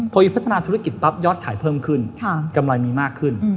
พอมีพัฒนาธุรกิจปั๊บยอดขายเพิ่มขึ้นกำไรมีมากขึ้น